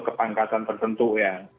kepangkatan tertentu ya